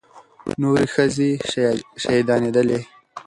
نورې ښځې شهيدانېدلې.